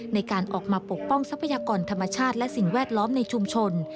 ในการออกมาปกป้องทรัพยากรธรรมชาติและสิ่งแวดล้อมในชุมชน